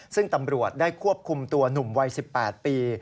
ซึ่งตำรวจได้ควบคุมตัวหนุ่มวัย๑๘ปี